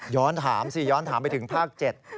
ถามสิย้อนถามไปถึงภาค๗